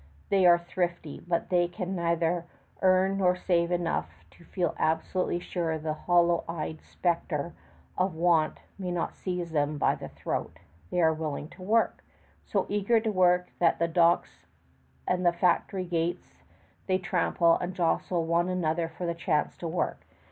They are thrifty, but can neither earn nor save enough to feel absolutely sure that the hollow eyed specter of Want may not seize them by the throat. They are willing to work, so eager to work that at the docks and the factory gates they trample and jostle one another for the chance to work.